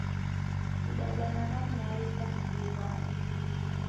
Mdaw'ana na mwai w'asusughana